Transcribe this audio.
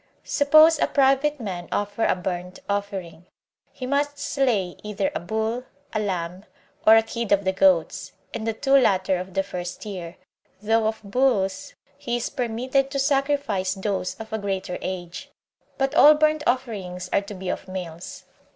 Suppose a private man offer a burnt offering, he must slay either a bull, a lamb, or a kid of the goats, and the two latter of the first year, though of bulls he is permitted to sacrifice those of a greater age; but all burnt offerings are to be of males.